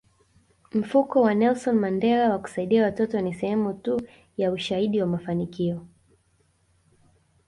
Mfuko wa Nelson Mandela wa kusaidia watoto ni sehemu tu ya ushahidi wa mafanikio